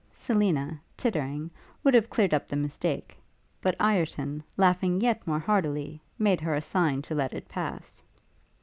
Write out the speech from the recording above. Selina, tittering, would have cleared up the mistake; but Ireton, laughing yet more heartily, made her a sign to let it pass.